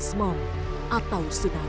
semong atau tsunami